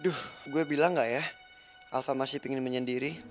duh gue bilang gak ya alva masih pingin menyendiri